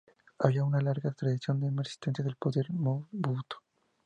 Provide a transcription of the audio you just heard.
Había una larga tradición de resistencia al poder de Mobutu.